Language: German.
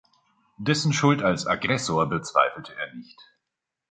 Dessen Schuld als Aggressor bezweifelte er nicht.